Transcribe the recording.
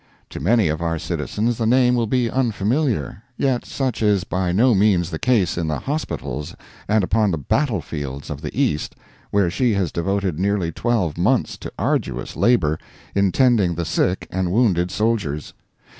To many of our citizens the name will be unfamiliar, yet such is by no means the case in the hospitals and upon the battle fields of the East, where she has devoted nearly twelve months to arduous labor in tending the sick and wounded soldiers.